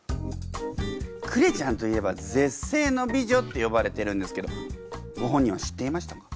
クレちゃんといえば絶世の美女って呼ばれてるんですけどご本人は知っていましたか？